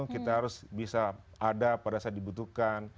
kita harus bisa ada pada saat dibutuhkan